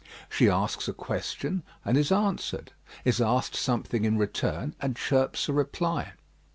She asks a question, and is answered; is asked something in return, and chirps a reply.